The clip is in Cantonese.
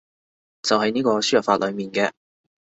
就係呢個輸入法裏面嘅